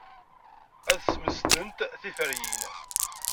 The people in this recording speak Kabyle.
Ad smesdent tiferyin.